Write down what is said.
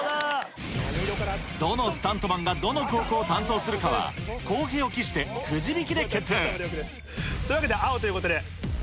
どのスタントマンがどの高校を担当するかは公平を期してクジ引きで決定というわけで青ということで。